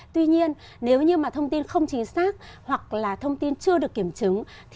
tuy nhiên nếu như thông tin không chính xác hoặc là thông tin chưa được kiểm chứng